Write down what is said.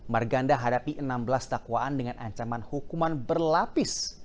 marganda hadapi enam belas dakwaan dengan ancaman hukuman berlapis